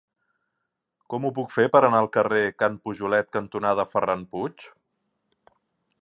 Com ho puc fer per anar al carrer Can Pujolet cantonada Ferran Puig?